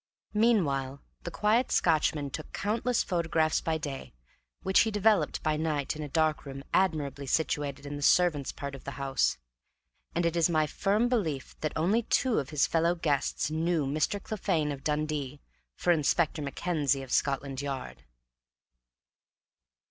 Meanwhile the quiet Scotchman took countless photographs by day, which he developed by night in a dark room admirably situated in the servants' part of the house; and it is my firm belief that only two of his fellow guests knew Mr. Clephane of Dundee for Inspector Mackenzie of Scotland Yard.